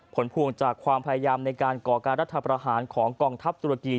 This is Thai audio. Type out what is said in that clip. ผลพวงจากความพยายามในการก่อการรัฐประหารของกองทัพตุรกี